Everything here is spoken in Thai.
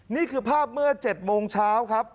นี่คือภาพเมื่อ๗โมงเช้าครับ